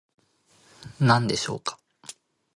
何でしょうか